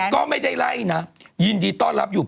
ก็ไม่ได้ไล่นะยินดีต้อนรับอยู่